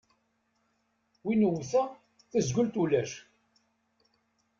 Win wwteɣ, tazgelt ulac.